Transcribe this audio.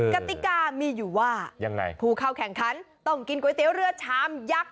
กติกามีอยู่ว่าผู้เข้าแข่งขันต้องกินก๋วยเตี๋ยวเรือชามยักษ์